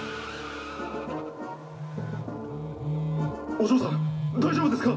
お嬢さん大丈夫ですか？